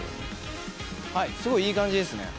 はいすごいいい感じですね。